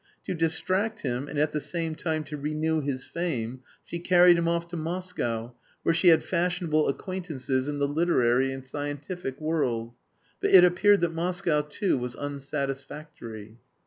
To distract him and at the same time to renew his fame she carried him off to Moscow, where she had fashionable acquaintances in the literary and scientific world; but it appeared that Moscow too was unsatisfactory.